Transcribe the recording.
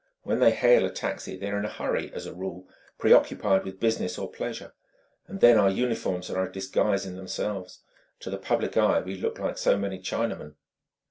When they hail a taxi they're in a hurry, as a rule preoccupied with business or pleasure. And then our uniforms are a disguise in themselves: to the public eye we look like so many Chinamen!"